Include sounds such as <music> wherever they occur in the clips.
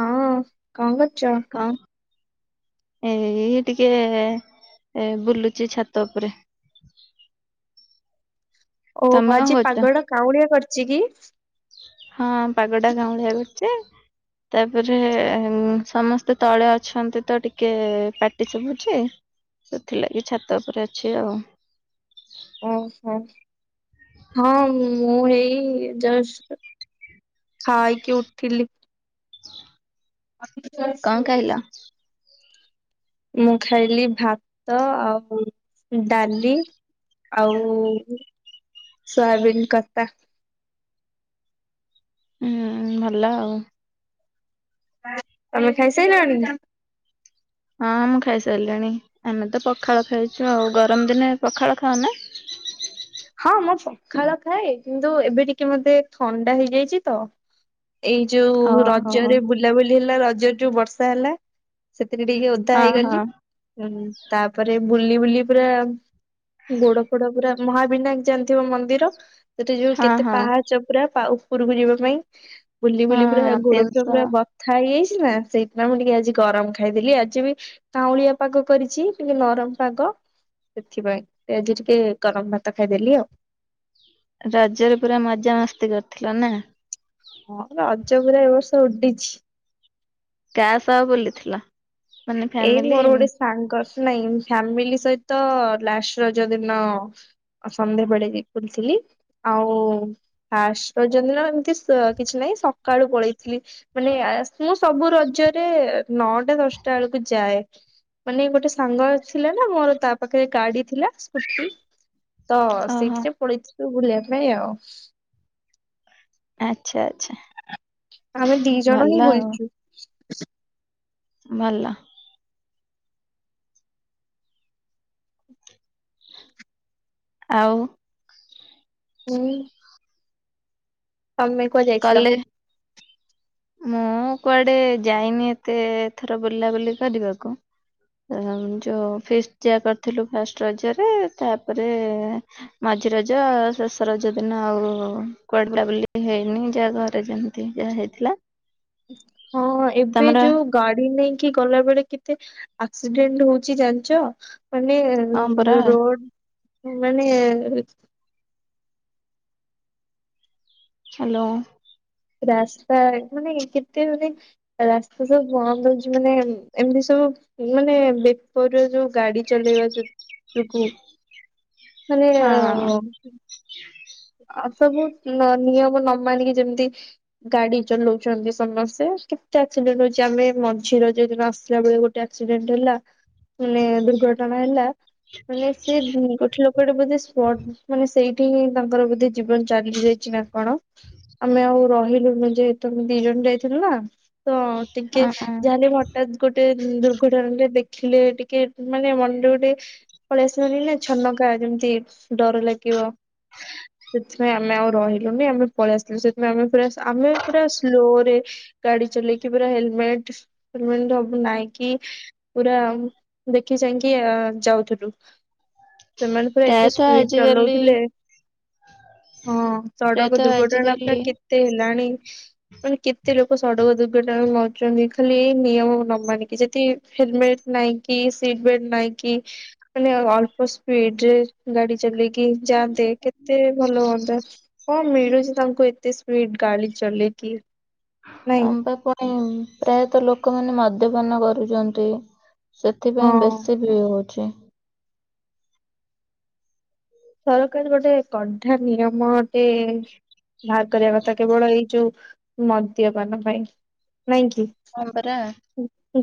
ହଁ କଣ କରୁଚ? କଣ ଏଇ ଟିକେ ଏ ବୁଲୁଚି ଛାତ ଉପରେ। ଓ ତମେ କଣ ଆଜି କରୁଛ? ପାଗ ଟା କାଉଁଳିଆ କରିଚି କି? ହଁ ପାଗଟା କାଉଁଳିଆ କରିଚି। ତାପରେ ଉଁ ସମସ୍ତେ ତଳେ ଅଛନ୍ତି ତ ଟିକେ ପାଟି ଶୁଭୁଚି। ସେଥିଲାଗି ଛାତ ଉପରେ ଅଛି ଆଉ। ଓହୋ ହଁ ମୁଁ ମୁଁ ଏଇ ଜଷ୍ଟ। ଖାଇକି ଉଠିଲି। କଣ ଖାଇଲ? <unintelligible> ମୁଁ ଖାଇଲି ଭାତ ଆଉ ଉ ଡାଲି। ଆଉ ସୋୟାବିନ କତା। ହୁଁ ଭଲ ଆଉ। ଅଁ ତମେ ଖାଇସାଇଲଣି ନା? ହଁ ମୁଁ ଖାଇସାରିଲିଣି ଆମେ ତ ପଖାଳ ଖାଇଛୁ ଆଉ ଗରମ ଦିନେ ପଖାଳ ଖାଅନା। ହଁ ମୁଁ ପଖାଳ ଖାଏ କିନ୍ତୁ ଏବେ ଟିକେ ମତେ ଥଣ୍ଡା ହେଇଯାଇଛି ତ। ଏଇ ଯୋଉ ଓହୋ ହଁ ରଜରେ ବୁଲାବୁଲି ହେଲା ରଜରେ ଯୋଉ ବର୍ଷା ହେଲା। ସେଥିରେ ଟିକେ ଓଦା ହଁ ହେଇଗଲି। ହଁ ଉଁ ହୁଁ ତାପରେ ବୁଲି ବୁଲି ପୁରା ଗୋଡ ଫୋଡ ପୁରା ମହା ବିନାୟକ ଜାଣିଥିବ ମନ୍ଦିର ସେଠି ଯୋଉ କେତେ ହଁ ପାହାଚ ପୁରା ତା ଉପରକୁ ଯିବା ପାଇଁ। ବୁଲି ବୁଲି ପୁରା ହଁ ଗୋଡ ଫୋଡ ତିନିଶହ ପୁରା ବ ବଥା ହେଇଯାଇଛି ନା ସେଇଥିପାଇଁ ମୁଁ ଟିକେ ଆଜି ଗରମ ଖାଇଦେଲି ଆଜି ବି। କାଉଁଳିଆ ପାଗ କରିଛି ଟିକେ ନରମ ପାଗ ସେଥିପାଇଁ ସେ ଆଜି ଟିକେ ଗରମ ଭା ତ ଖାଇଦେଲି ଆଉ। ରଜରେ ପୁରା ମଜାମସ୍ତି କରିଥିଲ ନା। ହଁ ରଜ ପୁରା ଏ ବର୍ଷ ଉଡିଛି। କାହା ସହ ବୁଲିଥିଲ। ମାନେ ଏଇ ମୋର ଫ୍ୟାମିଲି ଗୋଟେ ସାଙ୍ଗ ସ ନାଇଁ ଫ୍ୟାମିଲି ସହିତ ଲାଷ୍ଟ ରଜ ଦିନ। ଆ ସନ୍ଧ୍ୟାବେଳେ ଯାଇ ବୁଲଥିଲି ଆଉ। ଫାର୍ଷ୍ଟ ରଜ ଦିନ ଏମିତି ସ କିଛି ନାହିଁ ସକାଳୁ ପଳେଇଥିଲି। ମାନେ ଆସିଲୁ ସବୁ ରଜରେ ନଅଟା ଦଶଟା ବେଳକୁ ଯାଏ। ମାନେ ଗୋଟେ ସାଙ୍ଗ ଥିଲା ନା ମୋର ତା ପାଖରେ ଗାଡି ଥିଲା ସ୍କୁଟି। ତ ଓହୋ ସେଇଥିରେ ପଳେଇଥିଲୁ ବୁଲିବା ପାଇଁ ଆଉ। ଆଚ୍ଛା ଆଚ୍ଛା। ଆମେ ଦି ଜଣ ଭଲ ହିଁ ଆଉ ବୁଲିଚୁ। ଭଲ। ଆଉ। ହୁଁ। ତମେ କୁଆଡେ ଯାଇଥିଲ? କଲେଜ ମୁଁ କୁଆଡେ ଯାଇନି ଏତେ ଥର ବୁଲାବୁଲି କରିବାକୁ। ଯୋଉ ଫିଷ୍ଟ ଯହା କରିଥିଲୁ ଫାଷ୍ଟ ରଜରେ ତାପରେ ମଝି ରଜ ଶେଷ ରଜ ଦିନ ଆଉ କୁଆଡ଼େ ବୁଲା ବୁଲି ପାଇଁ ଯାଇନି ଯାହା ଘରେ ଯେମିତି ଯାହା ହେଇଥିଲା। ହଁ ଏବେ ତମର ଯୋଉ ଗଗାଡ଼ି ନେଇକି ଗଲା ବେଳେ କେତେ ଆକ୍ସିଡେଣ୍ଟ ହଉଛି ଜାଣିଛ? ମାନେ ହଁ ପରା ରୋଡ଼ ମାନେ ହ୍ୟାଲୋ। ରାସ୍ତା ମାନେ କେତେ ମାନେ ରାସ୍ତା ସବୁ ବନ୍ଦ ହଉଛି ମାନେ ଏମିତି ସବୁ ମାନେ ବେପର ଯୋଉ ଗାଡି ଚଲେଇବା ଯୋଗୁ ମାନେ ହଁ ଅ ଆଉ ସବୁ ନ ନିୟମ ନ ମାନିକି ଯେମିତି। ଗାଡି ଚଲଉଛନ୍ତି ସମସ୍ତେ କେତେ ଆକ୍ସିଡେଣ୍ଟ ହଉଛି ଆମେ ଏ ମଝିରଜ ଦିନ ଆସିଲା ବେଳକୁ ଆକ୍ସିଡେଣ୍ଟ ହେଲା ମାନେ ଦୁର୍ଘଟଣା ହେଲା। ମାନେ ସେ ଗୋଟେ ଲୋକଟେ ବୋଧେ ସ୍ପଟ୍ ମାନେ ସେଇଠି ହି ତାଙ୍କର ବୋଧେ ଜୀବନ ଚାଲି ଯାଇଛି ନା କଣ ଆମେ ଆଉ ରହିଲୁନୁ ଯେହେ ତମେ ଦି ଜଣ ଯାଇଥିଲୁ ନା ତ ଟିକେ ଅଁ, ଯାହା ହେଲେ ହଠତ୍ ଗୋଟେ ଦୁର୍ଘଟଣା ତେ ଦେଖିଲେ ଟିକେ ମାନେ ମନରେ ଗୋଟେ। ପଳେଇ ଆସିବନି ନା ଛନକା ଯେମିତି ଡର ଲାଗିବ। <inaudible> ସେଥିପାଇଁ ଆମେ ଆଉ ରହିଲୁନି ଆମେ ପଳେଇ ଆସିଲୁ ସେଥିପାଇଁ ଆମେ ପୁରା ଆମେ ପୁରା ସ୍ଲୋରେ ଗଗାଡ଼ି ଚଲେଇକି ପୁରା ହେଲମେଟ ହେଲମେଟ ସବୁ ନାଇଁ କି ପୁରା ଦେଖି ଚାହିଁକି ଯାଉଥିଲୁ। ସେମାନେ ପୁରା ଏତେ ପ୍ରାୟତଃ ସ୍ପିଡ ଆଜିକାଲି ଚଲଉଥିଲେ ହଁ ଷଡ଼କ ପ୍ରାୟତଃ ଦୁର୍ଘଟଣା ପାରା ଆଜିକାଲି କେତେ ହେଲାଣି। ମାନେ କେତେ ଲୋକ ସଡ଼କ ଦୁର୍ଘଟଣା ରେ ମରୁଛନ୍ତି ଖାଲି ଏଇ ନିୟମ ନ ମାନିକି ଯଦି ହେଲମେଟ ନାଇକି କି ସିଟ୍ ବେଲଟ ନାଇକି କି ମାନେ ଅଳ୍ପ ସ୍ପିଡ ରେ ଗାଡ଼ି ଚଲେଇକି ଯାଆନ୍ତେ କେତ ତେ ଭଲ ହୁଅନ୍ତା କଣ ମିଳୁଛି ତାଙ୍କୁ ଏତେ ସ୍ପିଡ ଗାଡ଼ି ଚଲେଇକି। ନାଇଁ। ପା ପାଇଁ ପ୍ରାୟତଃ ଲୋକ ମାନେ ମଦ୍ୟପାନ କରୁଛନ୍ତି। ହଁ। ସେଥିପାଇଁ ବେଶୀ ବି ହଉଛି। ସରକାର ଗୋଟେ କଢା ନିୟମ ଏ ବାହାର କରିବା କଥା କେବଳ ଏଇ ଯୋଉ ମଦ୍ୟପାନ ପାଇଁ ନାଇଁ କି? ହବରା।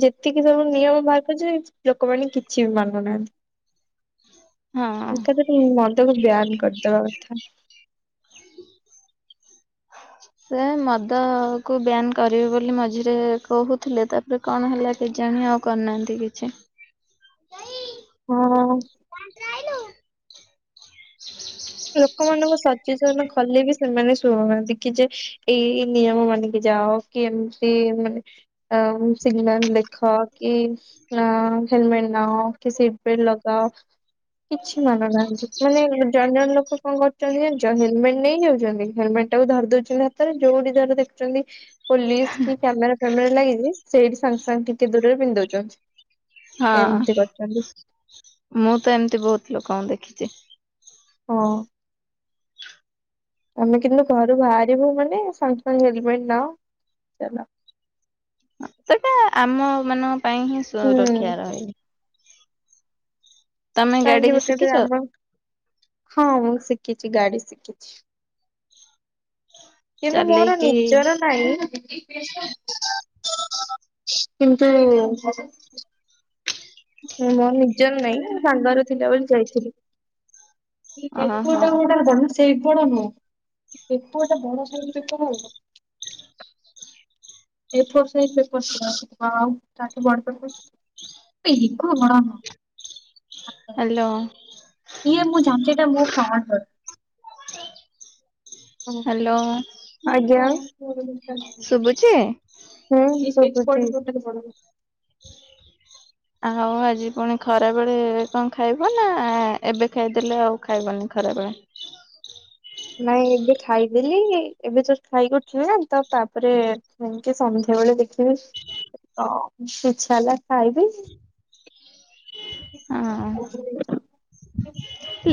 ଯେତିକି ସବୁ ନିୟମ ବାହାର କରଛନ୍ତି ଲୋକମାନେ କିଛି ବି ମାନୁନାହାନ୍ତି। ହଁ। ଏକାଥରେ ମଦକୁ ବ୍ୟାନ କରିଦବା କଥା। ସେ ମଦ କୁ ବ୍ୟାାନ କରିବେ ବୋଲି ମଝିରେ କହୁଥିଲେ ତାପ ରେ କଣ ହେଲା କେଜାଣି ଆଉ କରିନାହାଁନ୍ତି କିଛି। ହଁ। ଲୋକମାନଙ୍କୁ ସଚେସନ କଲେ ବି ସେମାନେ ଶୁଣୁନାହାନ୍ତି କି ଯେ ଏଇ ଏଇ ନିୟମ ମାନିକି ଯାଅ। କି ଏମତି ମାନେ ସିଗନାଲ ଦେଖ କି ହେଲମେଟ ନାଅ କି ସିଟ ବେଲ୍ଟ ଲଗାଅ କିଛି ମାନୁନାହାନ୍ତି ମାନେ ଜଣେ ଜଣେ ଲୋକ କଣ କରୁଛନ୍ତି ଜାଣିଛ ହେଲମେଟ ନେଇ ଯାଉଛନ୍ତି ହେଲମେଟ ଟାକୁ ଧରି ଦଉଛନ୍ତି ହାତରେ ଯୋଉଠି ଧର ଦେଖୁଛନ୍ତି ପୋଲିସ କି କ୍ୟାମେରା ଫ୍ୟାମେରା ଲାଗିଛି ସେଇଠି ସାଙ୍ଗେ ସାଙ୍ଗେ ଟିକେ ଦୂରରେ ପିନ୍ଧ ଦଉଛନ୍ତି। ହଁ ଏମିତି କରିଛନ୍ତି ମୁଁ ତ ଏମିତି ବହୁତ ଲୋକଙ୍କୁ ଦେଖିଛି। ହଁ। ଆମେ କିନ୍ତୁ ଘରୁ ବାହାରିବୁ ମାନେ ସାଙ୍ଗେ ସାଙ୍ଗେ ହେଲମେଟ ନାଅ ଚାଲ। ସେଟା ଆମ ମାନଙ୍କ ପାଇଁ ହିଁ ହୁଁ। ସୁରକ୍ଷା ରହିବ। କାହିଁକି ବେକାର ଟାରେ ଆମ ହଁ ମୁଁ ଶିଖିଛି ଗାଡି ଶିଖିଛି। କିନ୍ତୁ ମୋର ଚଲେଇକି ନିଜର କିନ୍ତୁ ମୋ ନିଜର ନାଇଁ ସାଙ୍ଗରେ ଥିଲା ବୋଲି ଯାଇଥିଲି। <unintelligible> ସେ ଓହୋ ଗୁଡା ନୁହଁ, ଏପଟା ବଡ ସାଇଜ ପେପର ହଉ ଏ ଫୁର ସାଇଜ଼ ପେପର ଥିଲା ହାଲୋ। ଇଏ ମୁଁ ଜାଣିଛି ଏଟା ମୁଁ ପ୍ରମାଣ କରି ହ୍ୟାଲୋ ଆଜ୍ଞା। ଶୁଭୁଛି? ହୁଁ। ଆଉ ଆଜି ପୁଣି ଖରାବେଳେ କଣ ଖାଇବ ନା ଏବେ ଖାଇଦେଲେ ଆଉ ଖାଇବନି ଖରାବେଳେ? ନାଇଁ ଏବେ ଖାଇଦେଲି ଏବେ ଜଷ୍ଟ ଖାଇକି ଉଠିଲ ନା ତ ତାପରେ ଏମିତି ସନ୍ଧ୍ୟାବେଳେ ଦେଖିବେ ହ ଇଛା ହେଲା ଖାଇବି <inaudible>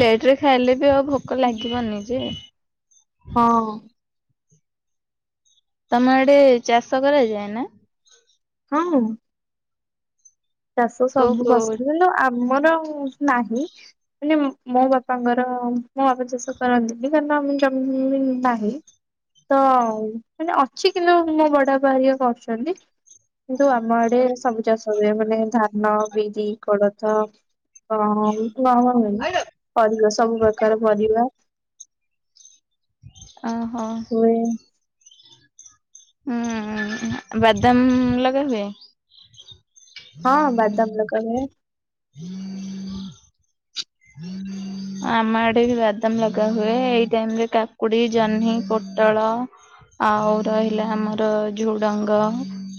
ଲେଟରେ ଖାଇଲେ ବି ଆଉ ଭୋକ ଲାଗିବନି ଯେ ହଁ। ତମେ ଆଡେ ଚାଷ କରାଯାଏ ନା? ହଁ। ଚାଷ କୋଉ ସବୁ କୋଉ ଫସଲ କିନ୍ତୁ ଆମର ନାହିଁ ମାନେ ମୋ ବାପାଙ୍କର ମୋ ବାପା ଚାଷ କରନ୍ତିନି କାର ଆ ଜମି ନାହିଁ ତ ମାନେ ଅଛି କିନ୍ତୁ ମୋ ବଡ ବାପା ହାରିକା କରୁଛନ୍ତି। କିନ୍ତୁ ଆମ ଆଡେ ସବୁ ଚାଷ ହୁଏ। ମେ ଧାନ ବିରି କୋଳଥ କ ଗହମ ହୁଏନି? ପରିବା ସବୁ ପ୍ରକାର ପରିବା ଓହୋ। ହୁଏ। ହୁଁ ବାଦାମ ଲଗେଇ ହୁଏ। ହଁ ବାଦାମ ଲଗା ହୁଏ। ହୁଁ ହୁଁ ଆମ ଆଡେ ବି ବାଦାମ ଲଗା ହୁଏ। ଏଇ ଟାଇମ୍ ରେ କାକୁଡି, ଜହ୍ନି, ପୋଟଳ ଆଉ ରହିଲା ଆମର ଝୁଡ଼ଙ୍ଗ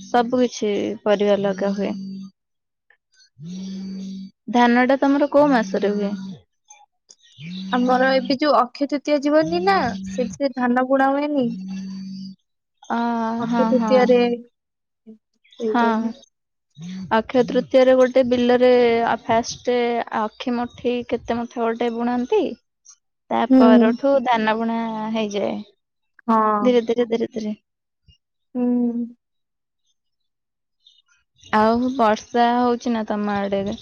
ସବୁ କିଛି ପରିବା ଲଗା ହୁଏ। ଧାନ ଟା ତମର କୋଉ ମାସରେ ହୁଏ? ଆମର ଏବେ ଯୋଉ ଅକ୍ଷୟ ତୃତୀୟ ଯୀବନି ନା ସେଥିରେ ଧାନ ବୁଣା ହୁଏନି। ଅ ଅକ୍ଷୟ ହଁ ହଁ ତୃତୀୟାରେ ହଁ। ଅକ୍ଷୟ ତୃତୀୟରେ ଗୋଟେ ବିଲରେ ଆ ଫାଷ୍ଟ ଅକ୍ଷି ମୁଠି କେତେ ମୁଠା ଗୋଟେ ବୁଣାନ୍ତି ତା ପରଠୁ ଧାନ ବୁଣା ହେଇଯାଏ। ହଁ ଧୀରେ, ଧୀରେ, ଧୀରେ, ଧୀରେ ହୁଁ। ଆଉ ବର୍ଷା ହେଉଛି ନା ତମ ଆଡ଼େରେ?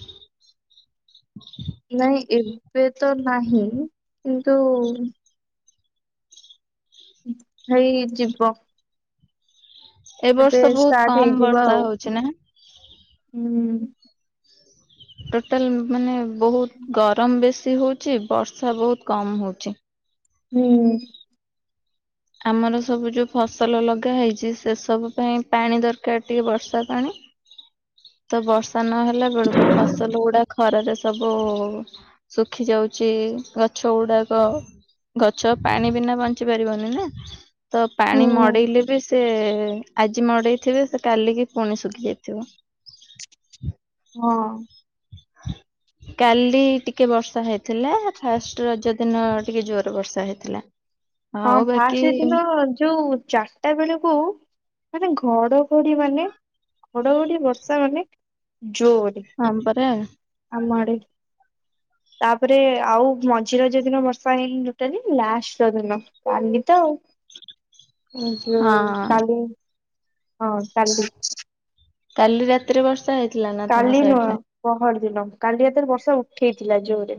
ନାଇଁ ଏବେ ତ ନାହିଁ କିନ୍ତୁ ହେଇ ଯିବ ଏବ ଏବେ ବର୍ଷ ବୋହୁତ୍ ଷ୍ଟାର୍ଟ କମ୍ ହେଇଯିବ ବର୍ଷା ଆଉ ହଉଛି ନା? ହୁଁ। ଟୋଟାଲ ମାନେ ବୋହୁତ୍ ଗରମ ବେଶୀ ହେଉଛି। ବର୍ଷା ବୋହୁତ୍ କମ୍ ହେଉଛି। ହୁଁ। ଆମର ସବୁ ଯୋଉ ଫସଲ ଲଗା ହେଇଛି ସେ ସବୁ ପାଇଁ ପାଣି ଦରକାର ଟିକେ ବର୍ଷା ପାଣି। ତ ବର୍ଷା ନହଲା ବେଳକୁ ଫସଲ ଗୁଡା ଖରାରେ ସବୁ ଶୁଖି ଯାଉଛି ଗଛ ଗୁଡାକ। ଗଛ ପାଣି ବିନା ବଞ୍ଚି ପାରିବନି ନା ତ ହୁଁ ପାଣି ମଡେଇଲେ ବି ସେ ଆଜି ମଡେଇଥିବେ ସେ କାଲିକି ପୁଣି ଶୁଖି ଯାଇଥିବ। <inaudible> ହଁ। <inaudible> କାଲି ଟିକେ ବର୍ଷା ହେଇଥିଲା ଫାଷ୍ଟ ରଜ ଦିନ ଟିକେ ଜୋର ବର୍ଷା ହେଇଥିଲା। ହଁ ଆଉ ବାକି ଫାଷ୍ଟ ଦିନ ଯୋଉ ଚା ଟା ବେଳକୁ ମାନେ ଘଡଘଡି ମାନେ ଘଡଘଡି ବର୍ଷା ମାନେ ଜୋରି। ହଁମ ପରା। ଆମ ଆଡେ। ତାପରେ ଆଉ ମଝି ରଜ ଦିନ ବର୍ଷା ହେଇନି ଟୋଟାଲି ଲାଷ୍ଟ ରଜ ଦିନ। କାଲି ତ ଆଉ ଏ ଯଉ ହଁ କାଲି ହଁ ଚାଲି। କାଲି ରାତିରେ ବର୍ଷା ହେଇ କାଲି ନୁହଁ ପହର ଦିନ କାଲି ହାତରେ ବର୍ଷା ଉଠେଇଥିଲା ଜୋରେ।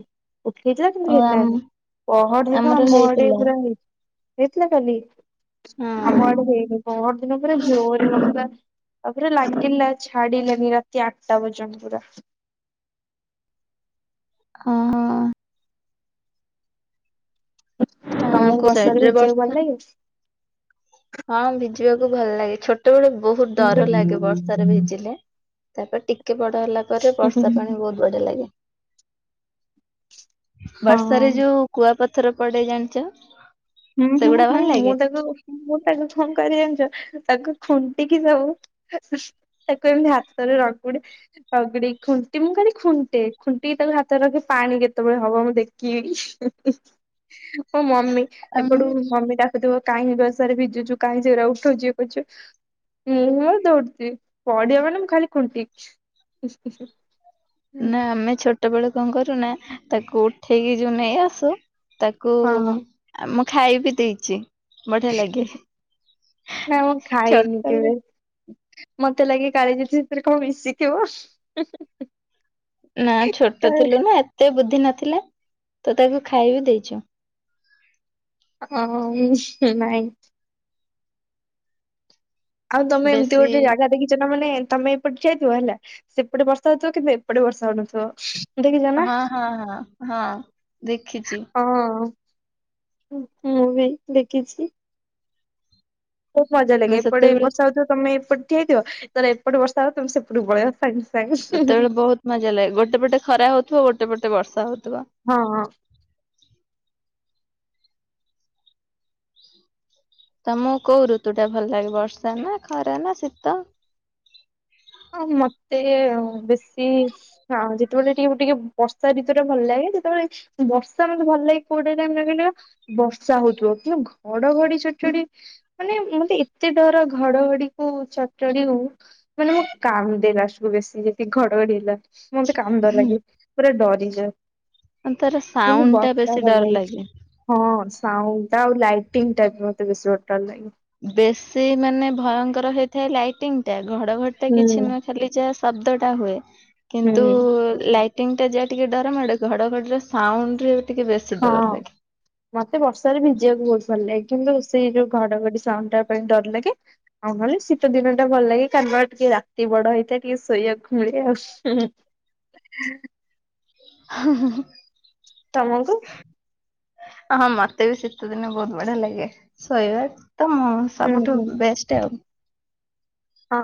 ଉଠେଇଛ କିନ୍ତୁ ଓ ଆମ ହେଲାନି ପହଡିିଦିନ ଆମର ଆମ ଆଡେ ହେଇଥିଲା ପୁରା ହେଇଛି। ହେଇଥିଲା କାଲି ହଁ ଆମଆଡେ ହେଇନି ପହର ଦିନ ପୂରା ଜୋରେ ହଉଥିଲା ତାପରେ ଲାଗିଲା ଛାଡିଲେନି ରାତି ଆଠଟା ପର୍ଯ୍ୟନ୍ତ ପୁରା। ଓ ହଁ। ତମକୁ କୋଉ ବର୍ଷାରେ ସାଇଡରେ ଭିଜିବାକୁ ବର୍ଷା ଭଲ ଲାଗି। ହଁ ଭିଜିବାକୁ ଭଲ ଲାଗେ ଛୋଟ ବେଳେ ବହୁତ ମୁଁ ତ ଡର ଲାଗେ ବର୍ଷାରେ ଭିଜିଲେ। ତାପରେ ଟିକେ ବଡ ହେଲା ପରେ ବର୍ଷା ପାଣି ବହୁତ ବଢିଆ ଲାଗେ। ହଁ। ବର୍ଷାରେ ଯୋଉ କୁଆପଥର ପଡେ ଜାଣିଛ। ହୁଁ ହୁଁ ସେଗୁଡା ହୁଁ ଭଲ ମୁଁ ଲାଗେ? ତାକୁ ମୁଁ ତାକୁ କଣ କରେ ଜାଣିଛ ତାଙ୍କୁ ଖୁଣ୍ଟିକି ଯାଉ ତାକୁ ଏମିତି ହାତରେ ରଙ୍ଗୁଡେ। ସଗଡି ଖୁଣ୍ଟି ମୁଁ କାଲି ଖୁଣ୍ଟେ ଖୁଣ୍ଟିକି ତାକୁ ହାତରେ ରଖି ପାଣି କେତେବେଳେ ହବ ମୁଁ ଦେଖିବିି। ମୋ ମମି ଏପଟୁ ଆମେ ମମି ଟା କୁଥିବ କାହିଁ ବସାରେ ଭିଜୁଛୁ କାହିଁ ସେରା ଉଠଉଛିି ଇଏ କରୁଛୁ। ମୁଁଁ ମୋର ଦୌଡିଥିବି ପଡିିବ ମାନେ ମୁଁ ଖାଲି ଖୁଣ୍ଟିଛି। ନା ଆମେ ଛୋଟ ବେଳ କଣ କରୁନା ତାକୁ ଉଠେଇକି ଯୋଉ ନେଇ ଆସୁ ତାକୁ ହଁ ଆମୁଁ ଖାଇବି ଦେଇଛି। ବଢିଆ ଲାଗେ। ନା ମୁଁ ଖାଇ ଛୋଟ ନି କେବେ? ମତେ ଲାଗେ କାଳିଜୀ ସେଥିରେ କଣ ମିଶିଥିବ? ନା ଛୋଟ କାଳେ ଥିଲୁ ନା ଏତେ ବୁଦ୍ଧି ନଥିଲା ତ ତାକୁ ଖାଇବି ଦେଇଛୁ। ହ ନାଇଁ। ଆଉ ତମେ ଏମିତି ବେଶୀ ଗୋଟେ ଜାଗା ଦେଖିଛ ନା ମାନେ ତମେ ସେପଟ ଠିଆହେଇଥିବ ହେଲା ସେପଟେ ବର୍ଷା ହଉଥିବ କିନ୍ତୁ ଏପଟେ ବର୍ଷା ହଉନଥିବ। ଦେଖି ଜ ନା ହଁ ହଁ ହଁ ହଁ ଦେଖିଛି ହଁ। ମୁଁ ବି ଦେଖିଛି। ବହୁବ ମଜା ଲାଗେ ମୁଁ ଏପଟେ ସେତେବେଳେ ବର୍ଷା ହଉଥିବ ତମେ ଏପଟ ଠିଆହେଇଥିବ ତାରେ ଏପଟେ ବର୍ଷା ହବ ତମେ ସେପଟୁ ପଳଆ କାହିଁ? ସେତେବେଳେ ବହୁତ ମଜା ଲାଗେ ଗୋଟେ ପଟେ ଖରା ହଉଥିବ ଗୋଟେ ପଟେ ବର୍ଷା ହଉଥିବ। ହଁ ହଁ। ତ ମୁଁ କୋଉ ଋତୁ ଟା ଭଲ ଲାଗେ ବର୍ଷା ନା ଖରା ନା ଶୀତ? ହ ମତେ ବେଶୀ ହଁ ଯେତେବେଳେ ଟିକେ ଟିକେ ବର୍ଷାଋତୁଟା ଭଲ ଲାଗେ ଯେତେବେଳେ ବର୍ଷା ମତେ ଭଲାଗେ କୋଉଟା ଟାଇମ‌ ରେ କହିଲା। ବର୍ଷା ହଉଥିବ କିନ୍ତୁ ଘଡଘଡି ଚଡ ଚଡି। ମାନେ ମତେ ଏତେ ଡର ଘଡଘଡି କୁ ଚଡ ଚଡି କୁ ମାନେ ମୁଁ। କା‌ନ୍ଦେ ଲାଷ୍ଟ କୁ ବେଶୀ ଯଦି ଘଡଘଡି ହେଲା ମତେ କାନ୍ଦ ଲାଗେ ପୁରା ଡରିଯାଏ। ତାର କିନ୍ତୁ ସାଉଣ୍ଡ ଟା ବର୍ଷା ବେଶୀ ଭଲ ଡର ଲାଗେ। ହଁ ସାଉଣ୍ଡ ଆଉ ଲାଇଟଙ୍ଗ ଟା ବି ମତେ ବେଶୀ ବହୁତ ଡର ଲାଗେ। ବେଶୀ ମାନେ ଭୟଙ୍କର ହେଇଥାଏ ଲାଇଟିଂ ଟା ଘଡଘଡି ଟା କିଛି ହୁଁ। ନୁହେଁ। ଖାଲି ଯାହା ଶବ୍ଦ ଟା ହୁଏ କିନ୍ତୁ ହୁଁ ଲାଇ ଟିଙ୍ଗ ଟା ଯାହା ଟିକେ ଡର ମାଡେ ଘଡ଼ ଘଡି ର ସାଉଣ୍ଡ ରେ। ଟିକେ ବେଶୀ ଡର ହଁ। ଲାଗେ। ମତେ ବର୍ଷାରେ ଭିଜିବାକୁ ବହୁତ ଭଲ ଲାଗେ କିନ୍ତୁ ସେଇ ଯୋଉ ଘଡଘଡି ସାଉଣ୍ଡ ଟା ପାଇଁ ଡର ଲାଗେ। ଆଉ ନହେଲେ ଶୀତ ଦିନ ଟା ଭଲ ଲାଗେ କାରଣ ଟିକେ ରାତି ବଡ ହେଇଥାଏ ଟିକେ ଶୋଇବାକୁ ମିଳେ ଆଉ। ହୁଁ ହୁଁ। ହୁଁ ହୁଁ ହୁଁ। ତମକୁ। ହଁ ମତେ ବି ଶୀତ ଦିନ ବହୁତ ବଢିଆ ଲାଗେ ଶୋଇବା ତ ମୁଁ। ହୁଁ ସବୁଠୁ ହୁଁ। ବେଷ୍ଟ ଆଉ। ହଁ।